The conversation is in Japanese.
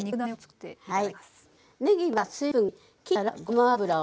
はい。